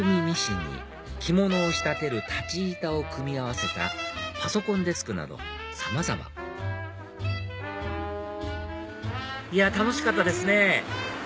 ミシンに着物を仕立てる裁ち板を組み合わせたパソコンデスクなどさまざまいや楽しかったですね